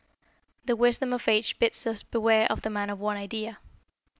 The wisdom of ages bids us beware of the man of one idea.